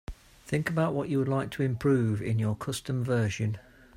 Think about what you would like to improve in your custom version.